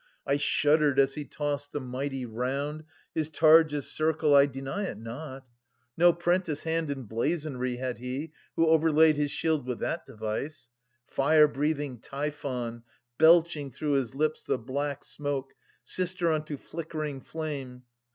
I shuddered as he tossed the mighty round. His targe*s circle, I deny it not. 490 No prentice hand in blazonry had he Who overlaid his shield with that device. Fire breathing Typhon, belching through his lips The black smoke, sister unto flickering flame.